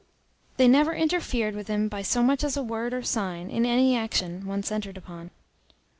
They never interfered with him by so much as a word or sign, in any action once entered upon.